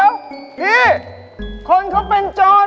ไม่ใช่ครับผมยังไม่จบ